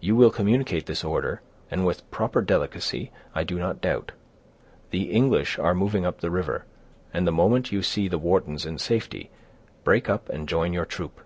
You will communicate this order, and with proper delicacy I do not doubt. The English are moving up the river; and the moment you see the Whartons in safety, break up and join your troop.